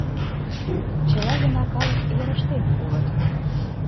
Чыла гына калык йырыштем улыт